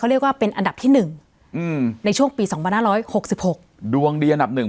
เรียกว่าเป็นอันดับที่๑ในช่วงปี๒๕๖๖ดวงดีอันดับหนึ่ง